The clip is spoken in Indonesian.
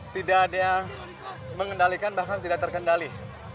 tidak ada yang mengendalikan bahkan tidak terkendali